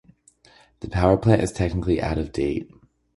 The power plant is technically out of date.